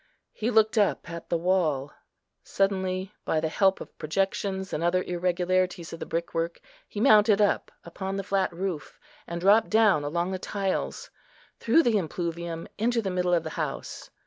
He looked up at the wall. Suddenly, by the help of projections, and other irregularities of the brickwork, he mounted up upon the flat roof, and dropped down along the tiles, through the impluvium into the middle of the house.